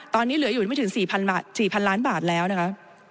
ตอนนี้เหลืออยู่ไม่ถึง๔๐๐๐ล้านบาทแล้วนะคะ